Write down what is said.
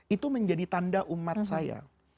itu menjadi tanda umat saya